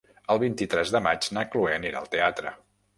El vint-i-tres de maig na Chloé anirà al teatre.